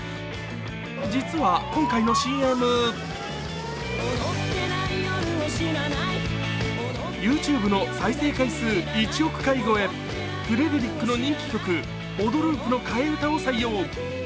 実は今回のＣＭＹｏｕＴｕｂｅの再生回数１億回超え、フレデリックの人気曲「オドループ」の替え歌を採用。